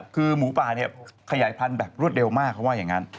คือหมูป่าเนี่ยขยายพันธุ์แบบรวดเร็วมากเขาว่าอย่างนั้น